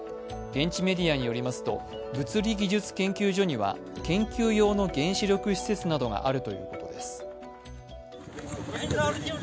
現地メディアによりますと物理技術研究所には研究用の原子力施設などがあるということです。